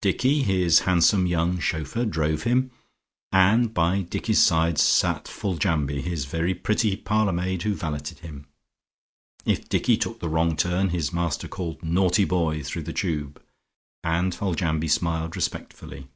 Dicky, his handsome young chauffeur, drove him, and by Dicky's side sat Foljambe, his very pretty parlour maid who valetted him. If Dicky took the wrong turn his master called "Naughty boy" through the tube, and Foljambe smiled respectfully.